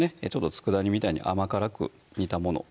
佃煮みたいに甘辛く煮たもの